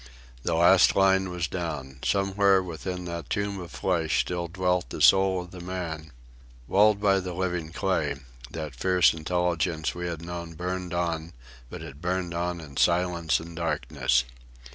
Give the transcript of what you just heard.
The last line was down. Somewhere within that tomb of the flesh still dwelt the soul of the man. Walled by the living clay, that fierce intelligence we had known burned on; but it burned on in silence and darkness.